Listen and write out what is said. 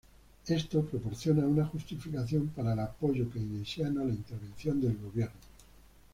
Esto proporciona una justificación para el apoyo keynesiano a la intervención del gobierno.